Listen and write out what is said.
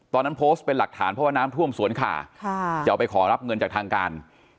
ตอนนั้นโพสต์เป็นหลักฐานเพราะว่าน้ำท่วมสวนขาจะเอาไปขอรับเงินจากทางการ